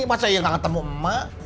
masa ya gak ketemu mak